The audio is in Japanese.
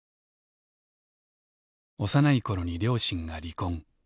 幼い頃に両親が離婚。